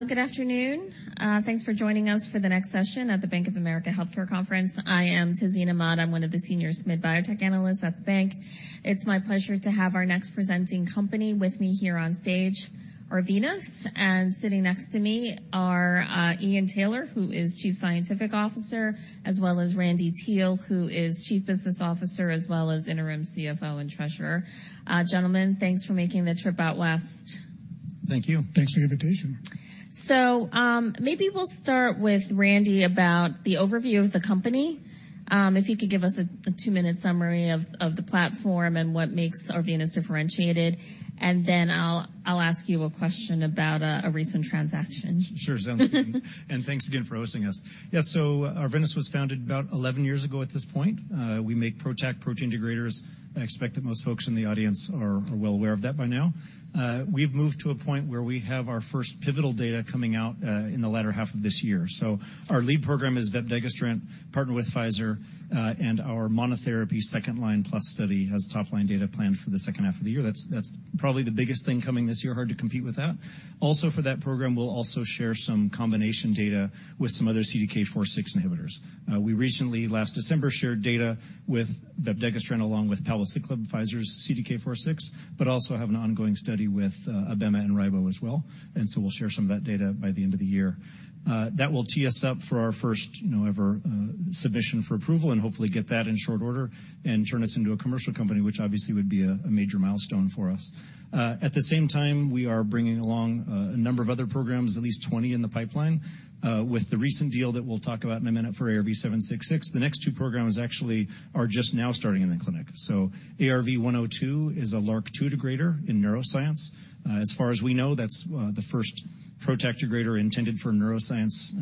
Well, good afternoon. Thanks for joining us for the next session at the Bank of America Healthcare Conference. I am Tazeen Ahmad. I'm one of the senior SMID biotech analysts at the bank. It's my pleasure to have our next presenting company with me here on stage, Arvinas, and sitting next to me are, Ian Taylor, who is Chief Scientific Officer, as well as Randy Teel, who is Chief Business Officer, as well as interim CFO and Treasurer. Gentlemen, thanks for making the trip out last. Thank you. Thanks for the invitation. Maybe we'll start with Randy about the overview of the company. If you could give us a two-minute summary of the platform and what makes Arvinas differentiated, and then I'll ask you a question about a recent transaction. Sure, sounds okay. And thanks again for hosting us. Yes, so Arvinas was founded about 11 years ago at this point. We make PROTAC protein degraders. I expect that most folks in the audience are well aware of that by now. We've moved to a point where we have our first pivotal data coming out in the latter half of this year. So our lead program is vepdegestrant, partnered with Pfizer, and our monotherapy second-line plus study has top-line data planned for the second half of the year. That's, that's probably the biggest thing coming this year. Hard to compete with that. Also, for that program, we'll also share some combination data with some other CDK4/6 inhibitors. We recently, last December, shared data with vepdegestrant along with palbociclib, Pfizer's CDK4/6, but also have an ongoing study with abema and ribo as well, and so we'll share some of that data by the end of the year. That will tee us up for our first, you know, ever, submission for approval and hopefully get that in short order and turn us into a commercial company, which obviously would be a major milestone for us. At the same time, we are bringing along a number of other programs, at least 20 in the pipeline. With the recent deal that we'll talk about in a minute for ARV-766, the next two programs actually are just now starting in the clinic. So ARV-102 is a LRRK2 degrader in neuroscience. As far as we know, that's the first PROTAC degrader intended for neuroscience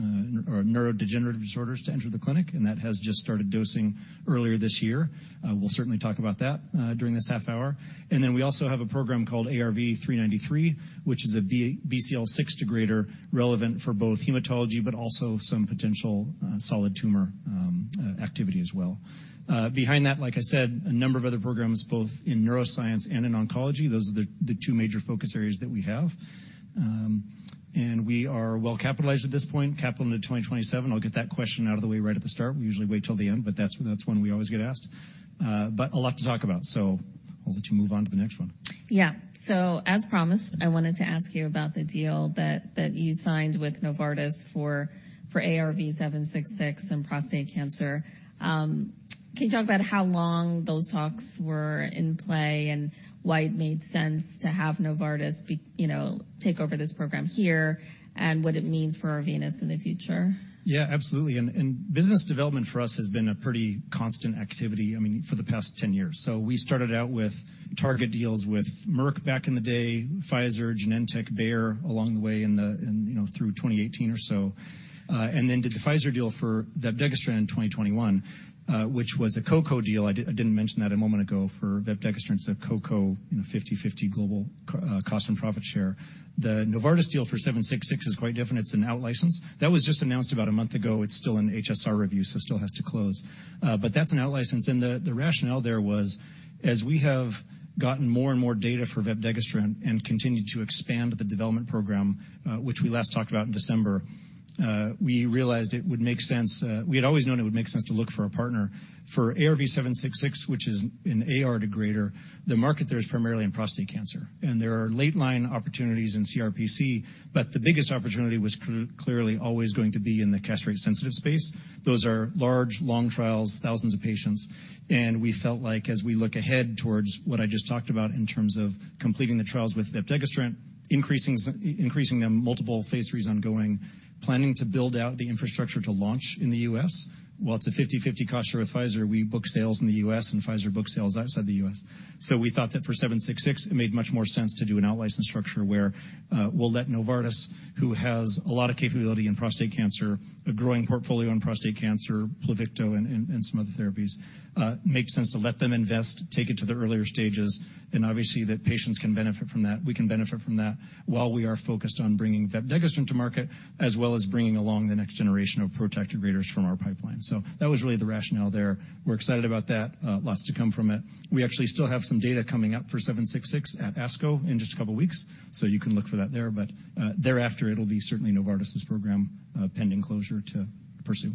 or neurodegenerative disorders to enter the clinic, and that has just started dosing earlier this year. We'll certainly talk about that during this half hour. And then we also have a program called ARV-393, which is a BCL6 degrader relevant for both hematology, but also some potential solid tumor activity as well. Behind that, like I said, a number of other programs, both in neuroscience and in oncology. Those are the two major focus areas that we have. And we are well capitalized at this point, capital into 2027. I'll get that question out of the way right at the start. We usually wait till the end, but that's one we always get asked. But a lot to talk about, so I'll let you move on to the next one. Yeah. So as promised, I wanted to ask you about the deal that you signed with Novartis for ARV-766 and prostate cancer. Can you talk about how long those talks were in play and why it made sense to have Novartis be, you know, take over this program here and what it means for Arvinas in the future? Yeah, absolutely. And business development for us has been a pretty constant activity, I mean, for the past 10 years. So we started out with target deals with Merck back in the day, Pfizer, Genentech, Bayer, along the way, you know, through 2018 or so, and then did the Pfizer deal for vepdegestrant in 2021, which was a co-co deal. I didn't mention that a moment ago. For vepdegestrant, it's a co-co, you know, 50/50 global cost and profit share. The Novartis deal for ARV-766 is quite different. It's an outlicense. That was just announced about a month ago. It's still in HSR review, so it still has to close, but that's an outlicense. And the rationale there was, as we have gotten more and more data for vepdegestrant and continued to expand the development program, which we last talked about in December, we realized it would make sense. We had always known it would make sense to look for a partner. For ARV-766, which is an AR degrader, the market there is primarily in prostate cancer, and there are late line opportunities in CRPC, but the biggest opportunity was clearly always going to be in the castrate-sensitive space. Those are large, long trials, thousands of patients, and we felt like as we look ahead towards what I just talked about in terms of completing the trials with vepdegestrant, increasing them, multiple phase 3s ongoing, planning to build out the infrastructure to launch in the U.S. While it's a 50/50 cost share with Pfizer, we book sales in the U.S., and Pfizer books sales outside the U.S. So we thought that for ARV-766, it made much more sense to do an outlicense structure, where we'll let Novartis, who has a lot of capability in prostate cancer, a growing portfolio in prostate cancer, Pluvicto and some other therapies, makes sense to let them invest, take it to the earlier stages, and obviously, that patients can benefit from that. We can benefit from that while we are focused on bringing vepdegestrant to market, as well as bringing along the next generation of PROTAC degraders from our pipeline. So that was really the rationale there. We're excited about that. Lots to come from it. We actually still have some data coming up for ARV-766 at ASCO in just a couple of weeks, so you can look for that there, but thereafter, it'll be certainly Novartis' program, pending closure to pursue.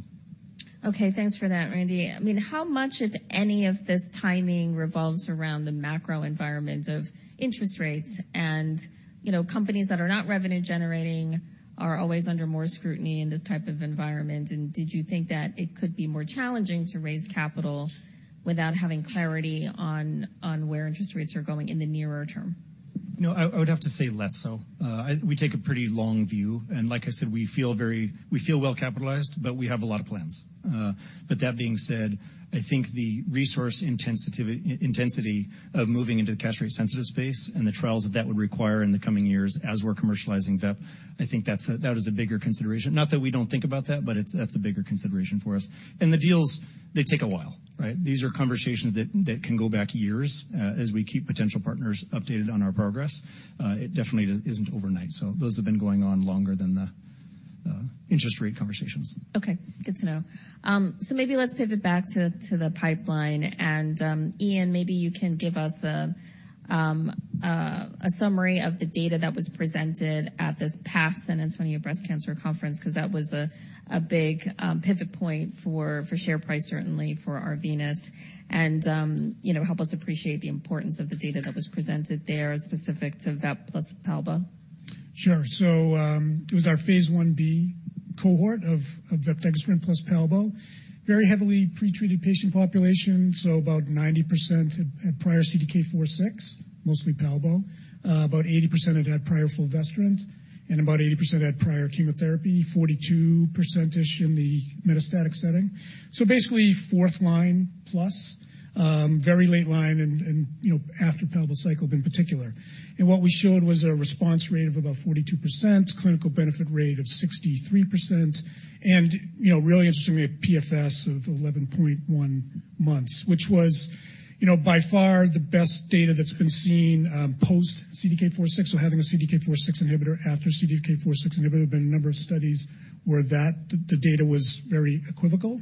Okay, thanks for that, Randy. I mean, how much, if any, of this timing revolves around the macro environment of interest rates and, you know, companies that are not revenue-generating are always under more scrutiny in this type of environment, and did you think that it could be more challenging to raise capital without having clarity on, on where interest rates are going in the nearer term? No, I would have to say less so. We take a pretty long view, and like I said, we feel well capitalized, but we have a lot of plans. But that being said, I think the resource intensity of moving into the castrate-sensitive space and the trials that that would require in the coming years as we're commercializing vep, I think that's that is a bigger consideration. Not that we don't think about that, but it's that's a bigger consideration for us. And the deals, they take a while, right? These are conversations that that can go back years, as we keep potential partners updated on our progress. It definitely isn't overnight, so those have been going on longer than the-... interest rate conversations. Okay, good to know. So maybe let's pivot back to the pipeline, and Ian, maybe you can give us a summary of the data that was presented at this past San Antonio Breast Cancer Conference, because that was a big pivot point for share price, certainly for Arvinas. And you know, help us appreciate the importance of the data that was presented there, specific to vep plus palbo. Sure. So, it was our phase Ib cohort of vepdegestrant plus palbo, very heavily pretreated patient population, so about 90% had prior CDK4/6, mostly palbo. About 80% had had prior fulvestrant, and about 80% had prior chemotherapy, 42%-ish in the metastatic setting. So basically, fourth line plus, very late line and, and, you know, after palbociclib in particular. And what we showed was a response rate of about 42%, clinical benefit rate of 63%, and, you know, really interestingly, a PFS of 11.1 months, which was, you know, by far the best data that's been seen, post CDK4/6. So having a CDK4/6 inhibitor after CDK4/6 inhibitor, there have been a number of studies where that, the data was very equivocal.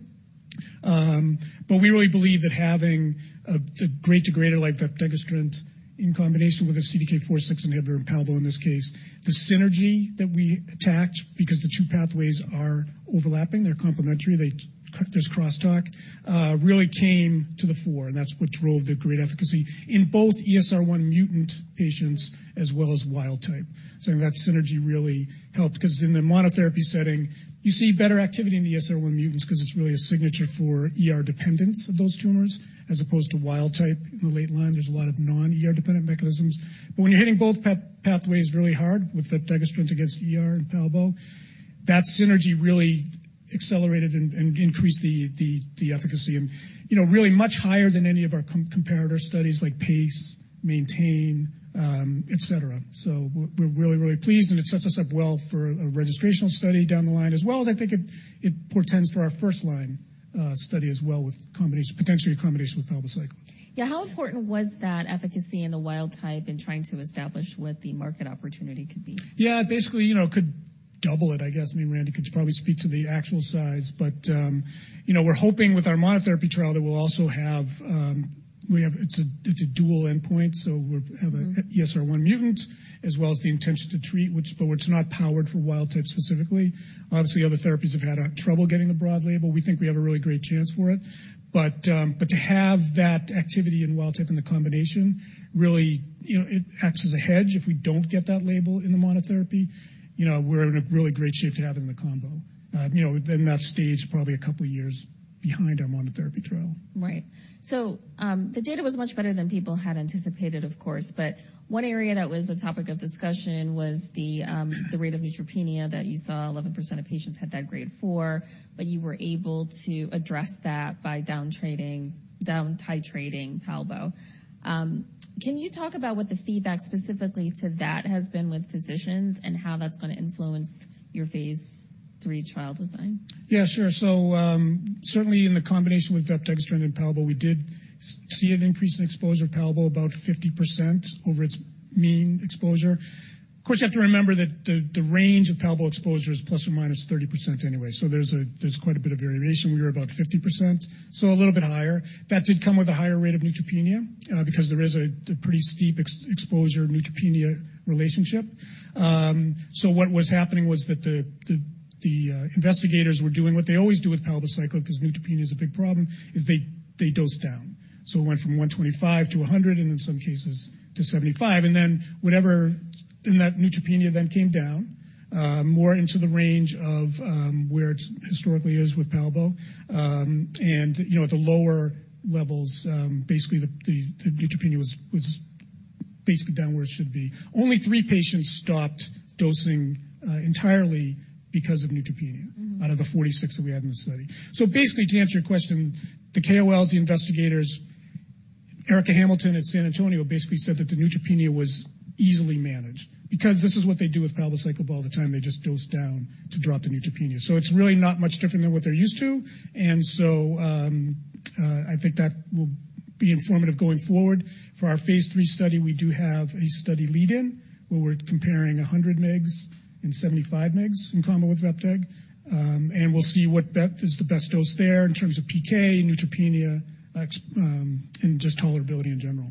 But we really believe that having a great degrader like vepdegestrant in combination with a CDK4/6 inhibitor and palbo, in this case, the synergy that we attacked, because the two pathways are overlapping, they're complementary, they, there's crosstalk, really came to the fore, and that's what drove the great efficacy in both ESR1 mutant patients as well as wild type. So that synergy really helped because in the monotherapy setting, you see better activity in the ESR1 mutants because it's really a signature for ER dependence of those tumors as opposed to wild type. In the late line, there's a lot of non-ER-dependent mechanisms, but when you're hitting both pathways really hard with vepdegestrant against ER and palbo, that synergy really accelerated and increased the efficacy and, you know, really much higher than any of our comparator studies like PACE, MAINTAIN, et cetera. So we're really pleased, and it sets us up well for a registrational study down the line, as well as I think it portends for our first-line study as well, with combination, potentially a combination with palbociclib. Yeah. How important was that efficacy in the wild type in trying to establish what the market opportunity could be? Yeah, basically, you know, it could double it, I guess. I mean, Randy could probably speak to the actual size, but, you know, we're hoping with our monotherapy trial that we'll also have, we have-- it's a, it's a dual endpoint, so we'll have- ESR1 mutants, as well as the intention to treat, which, but it's not powered for wild type specifically. Obviously, other therapies have had trouble getting a broad label. We think we have a really great chance for it, but to have that activity in wild type in the combination, really, you know, it acts as a hedge. If we don't get that label in the monotherapy, you know, we're in a really great shape to have it in the combo. You know, in that stage, probably a couple of years behind our monotherapy trial. Right. So, the data was much better than people had anticipated, of course, but one area that was a topic of discussion was the rate of neutropenia that you saw. 11% of patients had that grade 4, but you were able to address that by, down-titrating palbo. Can you talk about what the feedback specifically to that has been with physicians and how that's going to influence your phase III trial design? Yeah, sure. So, certainly in the combination with vepdegestrant and palbo, we did see an increase in exposure to palbo, about 50% over its mean exposure. Of course, you have to remember that the range of palbo exposure is ±30% anyway, so there's quite a bit of variation. We were about 50%, so a little bit higher. That did come with a higher rate of neutropenia, because there is a pretty steep exposure neutropenia relationship. So what was happening was that the investigators were doing what they always do with palbociclib, because neutropenia is a big problem, is they dosed down. So it went from 125 to 100 and in some cases to 75, and then whatever... That neutropenia then came down more into the range of where it historically is with palbo. You know, at the lower levels, basically, the neutropenia was basically down where it should be. Only three patients stopped dosing entirely because of neutropenia. out of the 46 that we had in the study. So basically, to answer your question, the KOLs, the investigators, Erika Hamilton at San Antonio, basically said that the neutropenia was easily managed because this is what they do with palbociclib all the time. They just dose down to drop the neutropenia. So it's really not much different than what they're used to. And so, I think that will be informative going forward. For our Phase III study, we do have a study lead-in, where we're comparing 100 mg and 75 mg in combo with vepdegestrant, and we'll see what that is the best dose there in terms of PK, neutropenia, and just tolerability in general.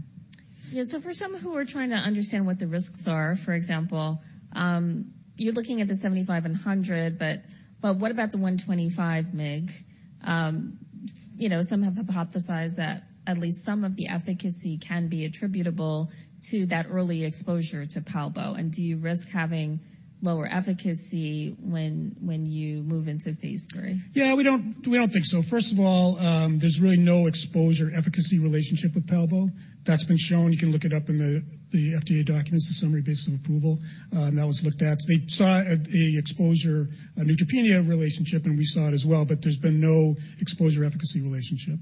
Yeah. So for some who are trying to understand what the risks are, for example, you're looking at the 75 and 100, but, but what about the 125 mg? You know, some have hypothesized that at least some of the efficacy can be attributable to that early exposure to palbo. And do you risk having lower efficacy when, when you move into phase III? Yeah, we don't, we don't think so. First of all, there's really no exposure-efficacy relationship with palbo. That's been shown. You can look it up in the, the FDA documents, the summary basis of approval, and that was looked at. They saw a, a exposure, a neutropenia relationship, and we saw it as well, but there's been no exposure-efficacy relationship.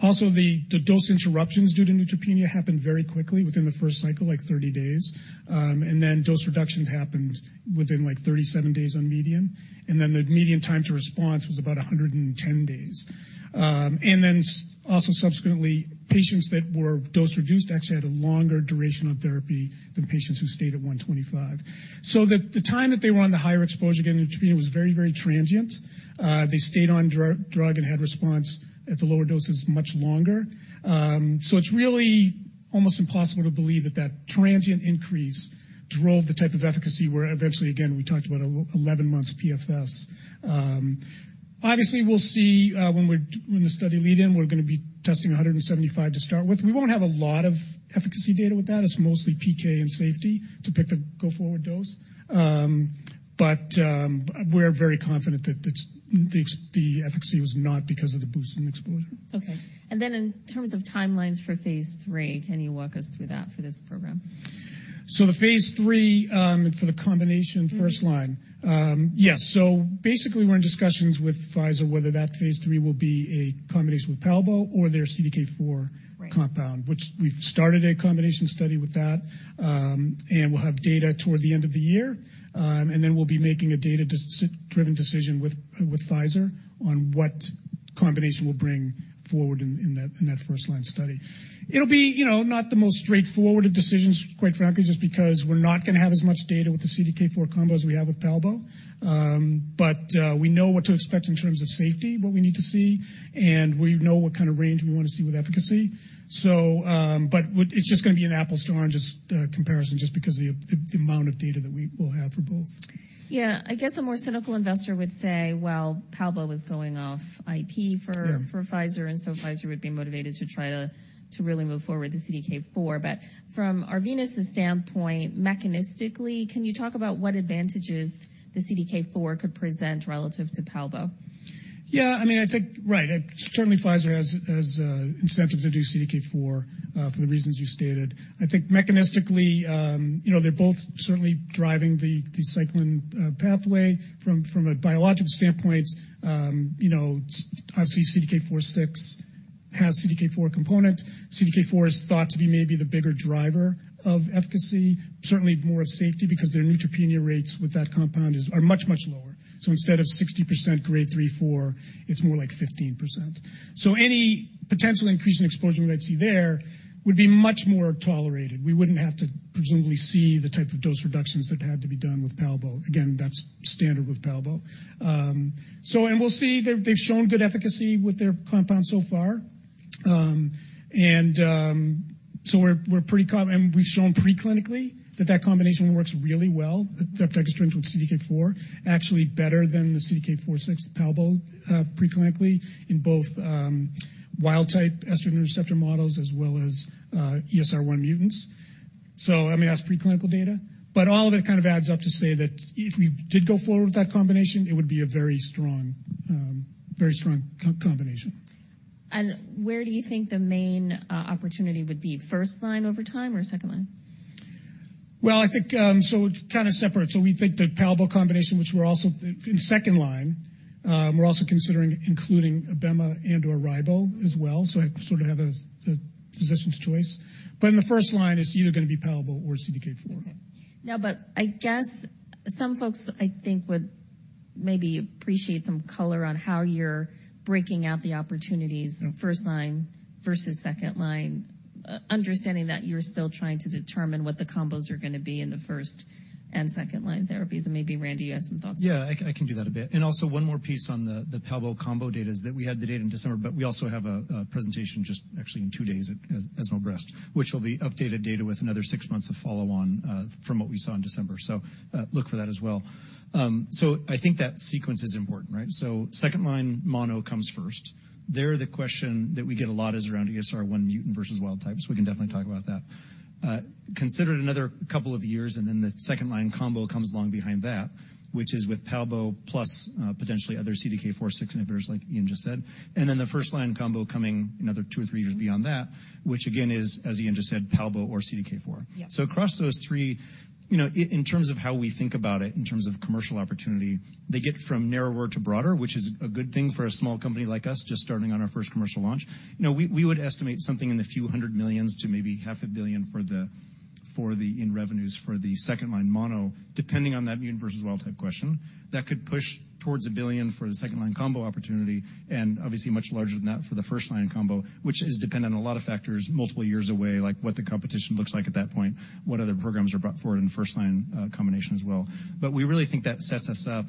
Also, the, the dose interruptions due to neutropenia happened very quickly within the first cycle, like 30 days. And then dose reduction happened within, like, 37 days on median, and then the median time to response was about 110 days. And then also, subsequently, patients that were dose reduced actually had a longer duration of therapy than patients who stayed at 125. So the, the time that they were on the higher exposure getting neutropenia was very, very transient. They stayed on drug and had response at the lower doses much longer. So it's really almost impossible to believe that that transient increase drove the type of efficacy where eventually, again, we talked about 11 months PFS. Obviously, we'll see when the study lead-in, we're gonna be testing 100, 75 to start with. We won't have a lot of efficacy data with that. It's mostly PK and safety to pick the go-forward dose. But we're very confident that it's, the efficacy was not because of the boost in exposure. Okay. And then in terms of timelines for phase III, can you walk us through that for this program? The phase III for the combination first line. Yes. So basically, we're in discussions with Pfizer whether that Phase III will be a combination with palbo or their CDK4- Right -compound, which we've started a combination study with that. And we'll have data toward the end of the year. And then we'll be making a data-driven decision with Pfizer on what combination we'll bring forward in that first-line study. It'll be, you know, not the most straightforward of decisions, quite frankly, just because we're not gonna have as much data with the CDK4 combo as we have with palbo. But we know what to expect in terms of safety, what we need to see, and we know what kind of range we want to see with efficacy. So, it's just gonna be an apples to oranges comparison just because the amount of data that we will have for both. Yeah. I guess a more cynical investor would say, well, palbo was going off IP for- Yeah -for Pfizer, and so Pfizer would be motivated to try to really move forward with the CDK4. But from Arvinas's standpoint, mechanistically, can you talk about what advantages the CDK4 could present relative to palbo? Yeah, I mean, I think, right. Certainly, Pfizer has incentive to do CDK4 for the reasons you stated. I think mechanistically, you know, they're both certainly driving the cyclin pathway. From a biological standpoint, you know, obviously, CDK4/6 has CDK4 component. CDK4 is thought to be maybe the bigger driver of efficacy, certainly more of safety, because their neutropenia rates with that compound are much, much lower. So instead of 60% Grade 3,4, it's more like 15%. So any potential increase in exposure we might see there would be much more tolerated. We wouldn't have to presumably see the type of dose reductions that had to be done with palbo. Again, that's standard with palbo. So, and we'll see. They've shown good efficacy with their compound so far. And we've shown preclinically that that combination works really well, the PROTAC ER with CDK4, actually better than the CDK4/6 palbo, preclinically in both wild-type estrogen receptor models as well as ESR1 mutants. So, I mean, that's preclinical data, but all of it kind of adds up to say that if we did go forward with that combination, it would be a very strong combination. Where do you think the main opportunity would be, first line over time or second line? Well, I think, so kind of separate. So we think the palbo combination, which we're also in second line, we're also considering including abema and/or ribo as well. So sort of have a physician's choice. But in the first line, it's either gonna be palbo or CDK4. Okay. Now, but I guess some folks, I think, would maybe appreciate some color on how you're breaking out the opportunities- Okay First line versus second line, understanding that you're still trying to determine what the combos are gonna be in the first and second-line therapies. And maybe, Randy, you have some thoughts? Yeah, I can, I can do that a bit. And also one more piece on the, the palbo combo data is that we had the data in December, but we also have a, a presentation just actually in two days at, at ESMO Breast, which will be updated data with another six months of follow-on from what we saw in December. So, look for that as well. So I think that sequence is important, right? So second-line mono comes first. There, the question that we get a lot is around ESR1 mutant versus wild type, so we can definitely talk about that. Consider it another couple of years, and then the second-line combo comes along behind that, which is with palbo plus potentially other CDK4/6 inhibitors, like Ian just said, and then the first-line combo coming another 2 or 3 years beyond that, which again is, as Ian just said, palbo or CDK4. Yeah. So across those three, you know, in terms of how we think about it, in terms of commercial opportunity, they get from narrower to broader, which is a good thing for a small company like us, just starting on our first commercial launch. You know, we would estimate something in the few hundred million to maybe $500 million for the revenues for the second-line mono, depending on that mutant versus wild type question. That could push towards $1 billion for the second-line combo opportunity and obviously much larger than that for the first-line combo, which is dependent on a lot of factors, multiple years away, like what the competition looks like at that point, what other programs are brought forward in first-line combination as well. But we really think that sets us up,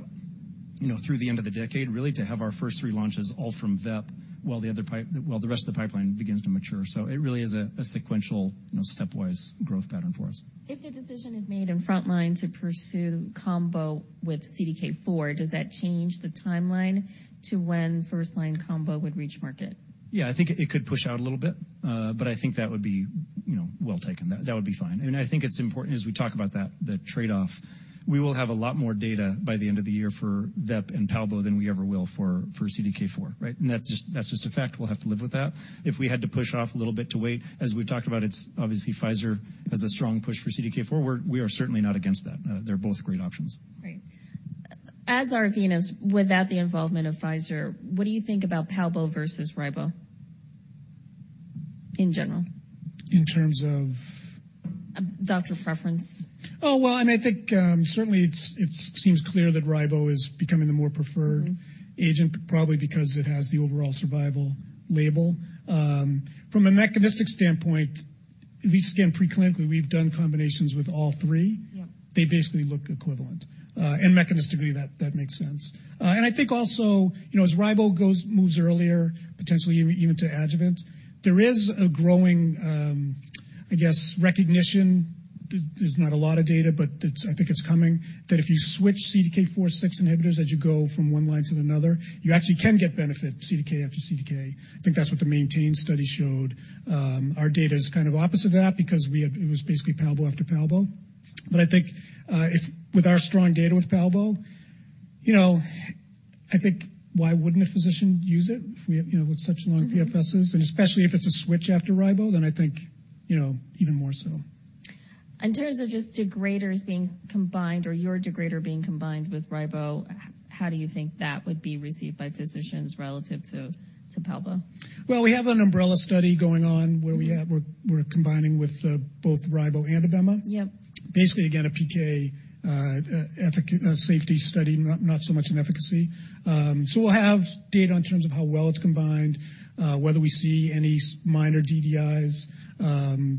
you know, through the end of the decade, really, to have our first three launches all from VEP, while the rest of the pipeline begins to mature. So it really is a sequential, you know, stepwise growth pattern for us. If the decision is made in front line to pursue combo with CDK4, does that change the timeline to when first-line combo would reach market? Yeah, I think it, it could push out a little bit, but I think that would be, you know, well taken. That, that would be fine. And I think it's important as we talk about that, the trade-off, we will have a lot more data by the end of the year for VEP and palbo than we ever will for, for CDK4, right? And that's just, that's just a fact. We'll have to live with that. If we had to push off a little bit to wait, as we've talked about, it's obviously Pfizer has a strong push for CDK4. We are certainly not against that. They're both great options. As Arvinas, without the involvement of Pfizer, what do you think about palbo versus ribo, in general? In terms of? Doctor preference. Oh, well, and I think, certainly it's, it seems clear that ribo is becoming the more preferred- -agent, probably because it has the overall survival label. From a mechanistic standpoint, at least, again, preclinically, we've done combinations with all three. Yeah. They basically look equivalent. And mechanistically, that makes sense. And I think also, you know, as ribo moves earlier, potentially even to adjuvant, there is a growing, I guess, recognition. There's not a lot of data, but I think it's coming, that if you switch CDK4/6 inhibitors, as you go from one line to another, you actually can get benefit CDK after CDK. I think that's what the MAINTAIN study showed. Our data is kind of opposite of that because we had, it was basically palbo after palbo. But I think, if with our strong data with palbo, you know, I think, why wouldn't a physician use it if we have, you know, with such long PFS? Especially if it's a switch after Ribo, then I think, you know, even more so. In terms of just degraders being combined or your degrader being combined with ribo, how do you think that would be received by physicians relative to palbo? Well, we have an umbrella study going on where we have- We're combining with both ribo and abema. Yep. Basically, again, a PK safety study, not so much in efficacy. So we'll have data in terms of how well it's combined, whether we see any minor DDIs.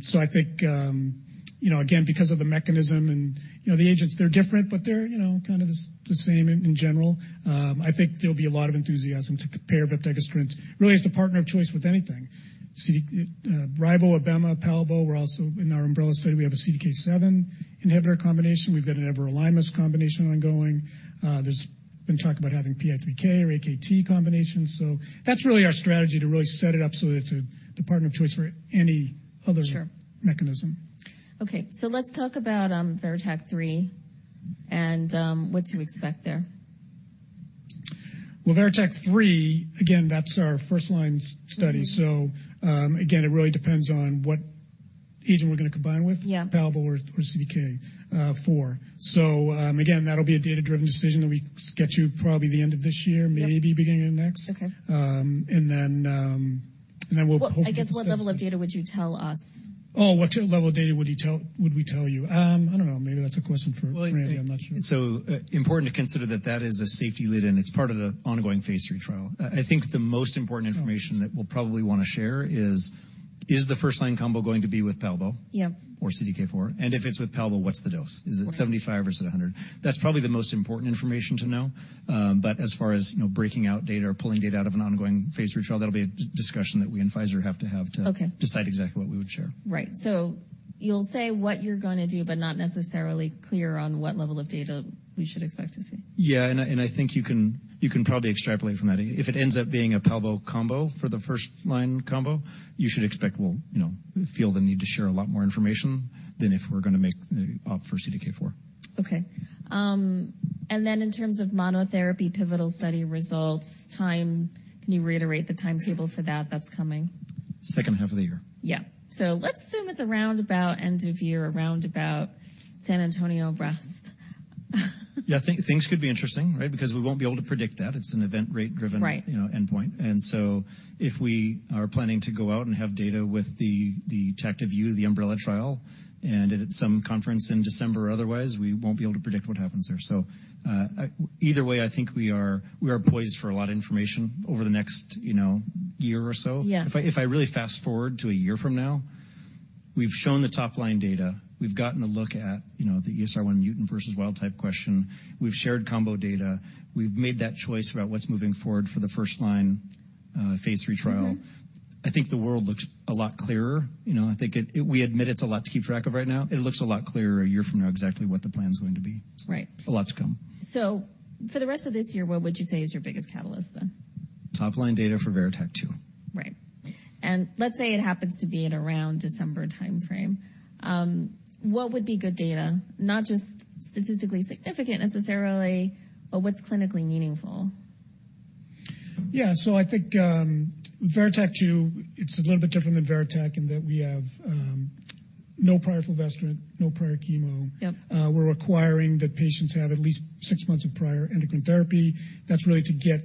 So I think, you know, again, because of the mechanism and, you know, the agents, they're different, but they're, you know, kind of the same in general. I think there'll be a lot of enthusiasm to compare vepdegestrant, really as the partner of choice with anything. CDK, ribo, abema, palbo. We're also, in our umbrella study, we have a CDK7 inhibitor combination. We've got an everolimus combination ongoing. There's been talk about having PI3K or AKT combinations. So that's really our strategy to really set it up so that it's the partner of choice for any other- Sure -mechanism. Okay, so let's talk about VERITAC-3, and what to expect there. Well, VERITAC-3, again, that's our first-line study. Again, it really depends on what agent we're going to combine with. Yeah. Palbo or CDK4. So, again, that'll be a data-driven decision that we get you probably the end of this year- Yep. Maybe beginning of next. Okay. and then we'll hopefully- Well, I guess what level of data would you tell us? Oh, what level of data would we tell you? I don't know. Maybe that's a question for Randy. I'm not sure. Important to consider that that is a safety lead-in, and it's part of the ongoing phase III trial. I think the most important information- Right. that we'll probably want to share is the first line combo going to be with palbo? Yeah. Or CDK4? And if it's with palbo, what's the dose? Right. Is it 75 or is it 100? That's probably the most important information to know. But as far as, you know, breaking out data or pulling data out of an ongoing phase III trial, that'll be a discussion that we and Pfizer have to have to- Okay. decide exactly what we would share. Right. So you'll say what you're gonna do, but not necessarily clear on what level of data we should expect to see? Yeah, and I think you can probably extrapolate from that. If it ends up being a palbo combo for the first line combo, you should expect we'll, you know, feel the need to share a lot more information than if we're gonna make for CDK4. Okay. And then in terms of monotherapy, pivotal study results, time, can you reiterate the timetable for that? That's coming. Second half of the year. Yeah. So let's assume it's around about end of year, around about San Antonio Breast. Yeah, think things could be interesting, right? Because we won't be able to predict that. It's an event rate-driven- Right you know, endpoint. And so if we are planning to go out and have data with the TACTIVE-U, the umbrella trial, and at some conference in December or otherwise, we won't be able to predict what happens there. So, either way, I think we are poised for a lot of information over the next, you know, year or so. Yeah. If I really fast-forward to a year from now, we've shown the top-line data. We've gotten a look at, you know, the ESR1 mutant versus wild type question. We've shared combo data. We've made that choice about what's moving forward for the first-line phase III trial. I think the world looks a lot clearer. You know, I think it... We admit it's a lot to keep track of right now. It looks a lot clearer a year from now, exactly what the plan is going to be. Right. A lot to come. For the rest of this year, what would you say is your biggest catalyst, then? Top-line data for VERITAC-2. Right. And let's say it happens to be at around December timeframe. What would be good data? Not just statistically significant necessarily, but what's clinically meaningful? Yeah, so I think, VERITAC-2, it's a little bit different than VERITAC in that we have no prior fulvestrant, no prior chemo. Yep. We're requiring that patients have at least six months of prior endocrine therapy. That's really to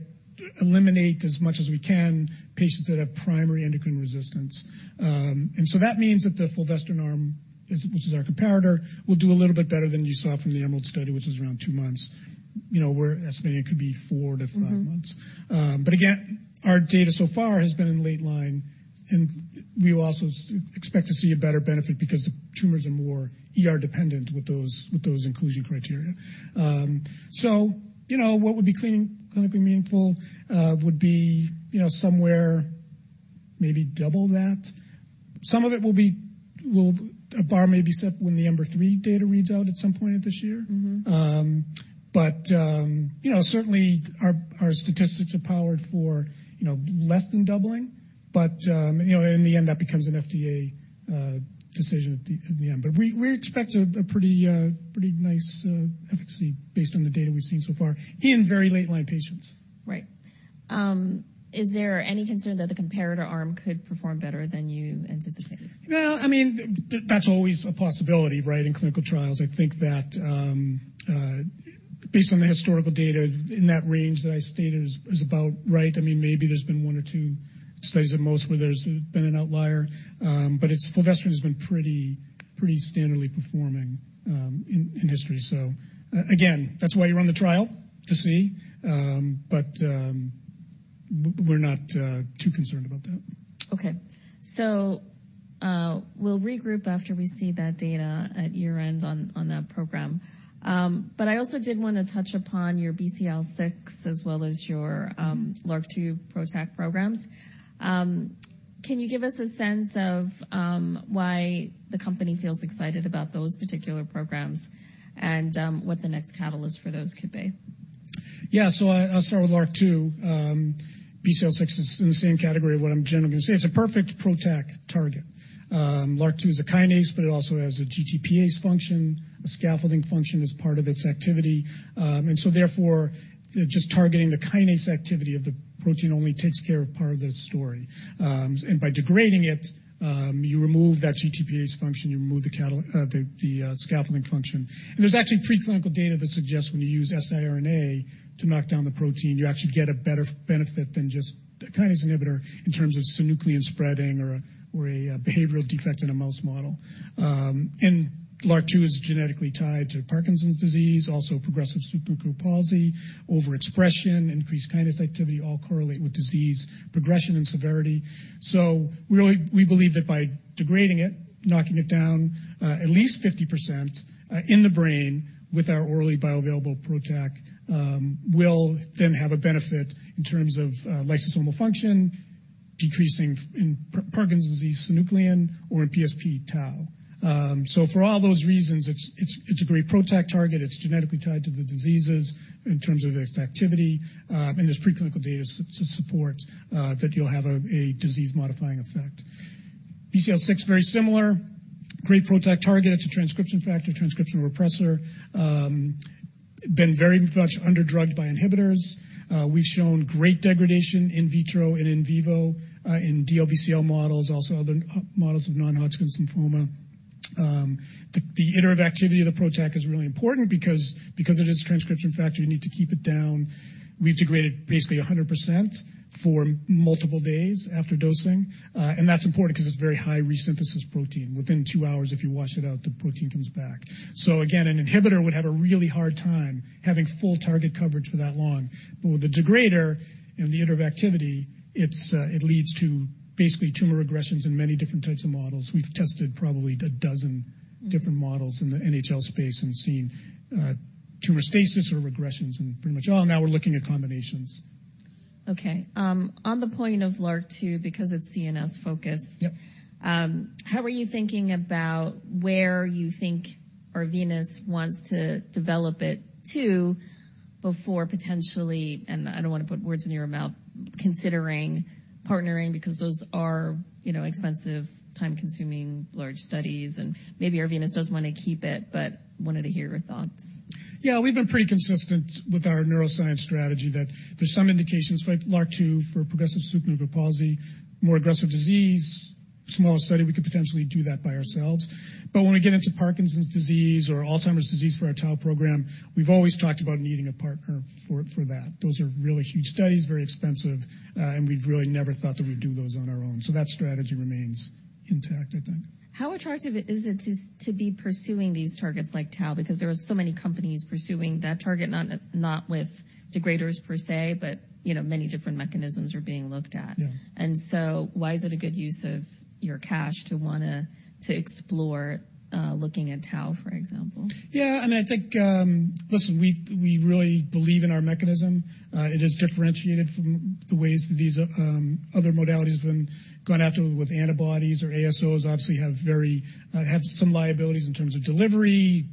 eliminate as much as we can, patients that have primary endocrine resistance. And so that means that the fulvestrant arm, which is our comparator, will do a little bit better than you saw from the EMERALD study, which is around two months. You know, we're estimating it could be four to five months. But again, our data so far has been in late line, and we also expect to see a better benefit because the tumors are more ER dependent with those inclusion criteria. So you know, what would be clinically meaningful would be, you know, somewhere maybe double that. Some of it will be. A bar may be set when the EMBER-3 data reads out at some point this year. But, you know, certainly our statistics are powered for, you know, less than doubling. But, you know, in the end, that becomes an FDA decision at the end. But we expect a pretty nice efficacy based on the data we've seen so far in very late-line patients. Right... is there any concern that the comparator arm could perform better than you anticipated? Well, I mean, that's always a possibility, right, in clinical trials. I think that, based on the historical data in that range that I stated is about right. I mean, maybe there's been one or two studies at most, where there's been an outlier, but it's fulvestrant has been pretty, pretty standardly performing, in history. So again, that's why you run the trial, to see, but, we're not too concerned about that. Okay. So, we'll regroup after we see that data at year-end on, on that program. But I also did want to touch upon your BCL6 as well as your LRRK2 PROTAC programs. Can you give us a sense of why the company feels excited about those particular programs and what the next catalyst for those could be? Yeah. So I'll start with LRRK2. BCL6 is in the same category of what I'm generally going to say. It's a perfect PROTAC target. LRRK2 is a kinase, but it also has a GTPase function, a scaffolding function as part of its activity. And so, therefore, just targeting the kinase activity of the protein only takes care of part of the story. And by degrading it, you remove that GTPase function, you remove the scaffolding function. And there's actually preclinical data that suggests when you use siRNA to knock down the protein, you actually get a better benefit than just a kinase inhibitor in terms of synuclein spreading or a behavioral defect in a mouse model. And LRRK2 is genetically tied to Parkinson's disease, also progressive supranuclear palsy, overexpression, increased kinase activity, all correlate with disease progression and severity. So really, we believe that by degrading it, knocking it down, at least 50%, in the brain with our orally bioavailable PROTAC, will then have a benefit in terms of lysosomal function, decreasing in Parkinson's disease, synuclein, or in PSP tau. So for all those reasons, it's a great PROTAC target. It's genetically tied to the diseases in terms of its activity, and there's preclinical data to support that you'll have a disease-modifying effect. BCL6, very similar. Great PROTAC target. It's a transcription factor, transcription repressor, been very much under-drugged by inhibitors. We've shown great degradation in vitro and in vivo in DLBCL models, also other models of non-Hodgkin's lymphoma. The duration of activity of the PROTAC is really important because, because it is a transcription factor, you need to keep it down. We've degraded basically 100% for multiple days after dosing, and that's important because it's a very high resynthesis protein. Within two hours, if you wash it out, the protein comes back. So again, an inhibitor would have a really hard time having full target coverage for that long. But with the degrader and the duration of activity, it's, it leads to basically tumor regressions in many different types of models. We've tested probably a dozen different models in the NHL space and seen, tumor stasis or regressions in pretty much all. Now we're looking at combinations. Okay. On the point of LRRK2, because it's CNS-focused- Yep. How are you thinking about where you think Arvinas wants to develop it to before potentially, and I don't want to put words in your mouth, considering partnering, because those are, you know, expensive, time-consuming, large studies, and maybe Arvinas does want to keep it, but wanted to hear your thoughts. Yeah, we've been pretty consistent with our neuroscience strategy, that there's some indications, right, LRRK2 for progressive supranuclear palsy, more aggressive disease, smaller study, we could potentially do that by ourselves. But when we get into Parkinson's disease or Alzheimer's disease for our tau program, we've always talked about needing a partner for, for that. Those are really huge studies, very expensive, and we've really never thought that we'd do those on our own. So that strategy remains intact, I think. How attractive is it to be pursuing these targets like tau? Because there are so many companies pursuing that target, not with degraders per se, but, you know, many different mechanisms are being looked at. Yeah. Why is it a good use of your cash to want to explore looking at tau, for example? Yeah, and I think... Listen, we really believe in our mechanism. It is differentiated from the ways that these other modalities have been gone after with antibodies or ASOs, obviously, have some liabilities in terms of delivery,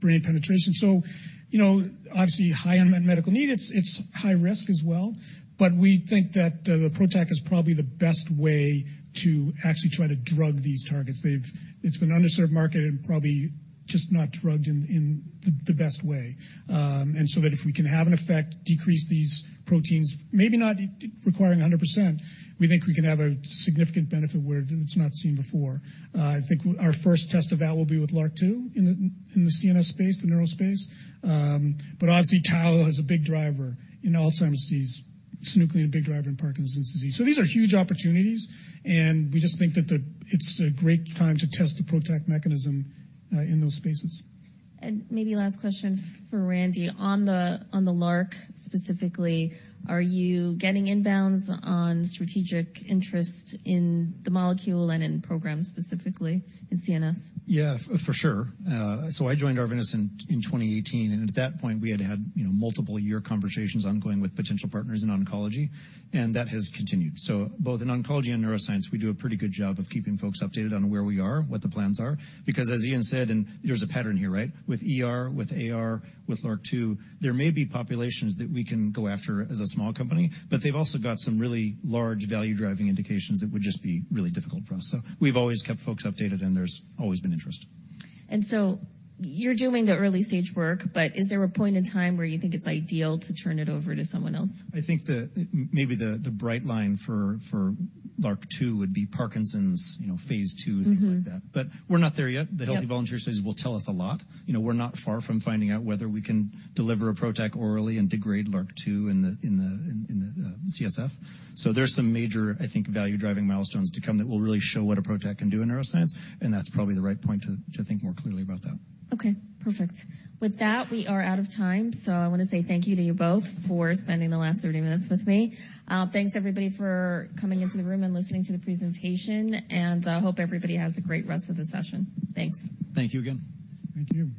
brain penetration. So, you know, obviously, high unmet medical need. It's high risk as well. But we think that the PROTAC is probably the best way to actually try to drug these targets. They've-- It's been an underserved market and probably just not drugged in the best way. And so that if we can have an effect, decrease these proteins, maybe not requiring 100%, we think we can have a significant benefit where it's not seen before. I think our first test of that will be with LRRK2 in the CNS space, the neural space. But obviously, tau is a big driver in Alzheimer's disease. Synuclein, a big driver in Parkinson's disease. So these are huge opportunities, and we just think that the, it's a great time to test the PROTAC mechanism, in those spaces. Maybe last question for Randy. On the LRRK, specifically, are you getting inbounds on strategic interest in the molecule and in programs, specifically in CNS? Yeah, for sure. So I joined Arvinas in 2018, and at that point, we had had, you know, multiple-year conversations ongoing with potential partners in oncology, and that has continued. So both in oncology and neuroscience, we do a pretty good job of keeping folks updated on where we are, what the plans are, because as Ian said, and there's a pattern here, right? With ER, with AR, with LRRK2, there may be populations that we can go after as a small company, but they've also got some really large value-driving indications that would just be really difficult for us. So we've always kept folks updated, and there's always been interest. So you're doing the early-stage work, but is there a point in time where you think it's ideal to turn it over to someone else? I think maybe the bright line for LRRK2 would be Parkinson's, you know, phase 2, things like that. But we're not there yet. Yeah. The healthy volunteer studies will tell us a lot. You know, we're not far from finding out whether we can deliver a PROTAC orally and degrade LRRK2 in the CSF. So there's some major, I think, value-driving milestones to come that will really show what a PROTAC can do in neuroscience, and that's probably the right point to think more clearly about that. Okay, perfect. With that, we are out of time, so I want to say thank you to you both for spending the last 30 minutes with me. Thanks, everybody, for coming into the room and listening to the presentation, and hope everybody has a great rest of the session. Thanks. Thank you again. Thank you.